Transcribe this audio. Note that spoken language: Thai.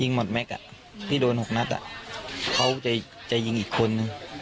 ยิงหมดแม็กซ์อ่ะพี่โดนหกนัดอ่ะเขาจะจะยิงอีกคนนึง